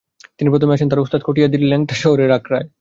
তিনি প্রথমে আসেন তাঁর ওস্তাদ কটিয়াদির ল্যাংটা শাহের আখড়ায়।